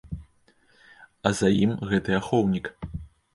А за ім гэты ахоўнік.